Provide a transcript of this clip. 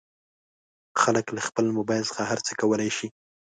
خلک له خپل مبایل څخه هر څه کولی شي.